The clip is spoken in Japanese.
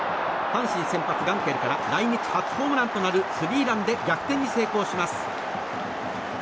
阪神先発、ガンケルから来日初ホームランとなるスリーランで逆転に成功します。